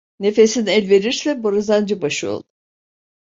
Nefesin elverirse borazancı başı ol.